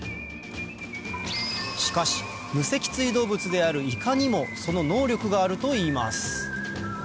しかし無脊椎動物であるイカにもその能力があるといいます